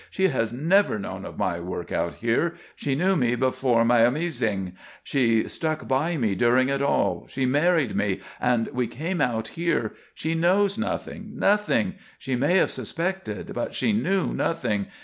She has never known of my work out here; she knew me before Moyomemsing; she stuck by me during it all; she married me and we came out here. She knows nothing; nothing. She may have suspected, but she knew nothing.